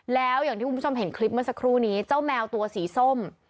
แล้วอย่างที่คุณผู้ชมเห็นคลิปเมื่อสักครู่นี้เจ้าแมวตัวสีส้ม